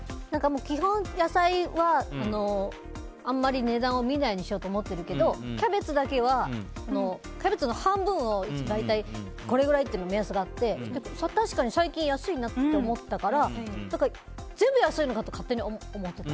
基本、野菜はあんまり値段を見ないようにしようと思ってるけど、キャベツだけはキャベツの半分がこれぐらいという目安があって確かに最近安いなって思ったから全部安いのかと勝手に思ってた。